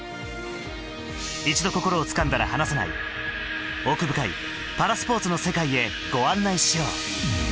一度心をつかんだら離さない奥深いパラスポーツの世界へご案内しよう！